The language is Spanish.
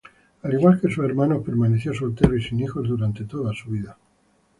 Al igual que sus hermanos permaneció soltero y sin hijos durante toda su vida.